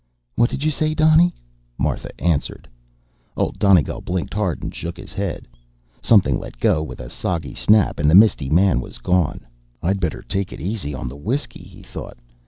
"What did you say, Donny?" Martha answered. Old Donegal blinked hard and shook his head. Something let go with a soggy snap, and the misty man was gone. I'd better take it easy on the whiskey, he thought.